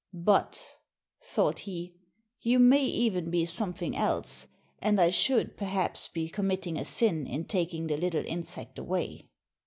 "But," thought he, "you may even be something else, and I should, perhaps, be committing a sin in taking the little insect away."